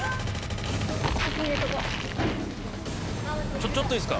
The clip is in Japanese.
ちょっといいですか？